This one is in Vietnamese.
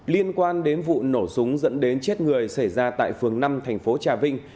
liên quan đến vụ nổ súng dẫn đến chết người xảy ra tại phường năm thành phố trà vinh